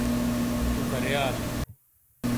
تُو کَرے آلَوں؟